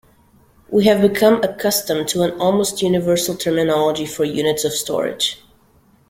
We have become accustomed to an almost universal terminology for units of storage.